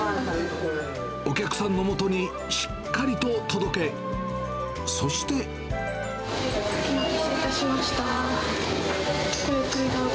お客さんのもとにしっかりと届け、そして。お待たせしました。